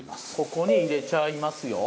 ここに入れちゃいますよ。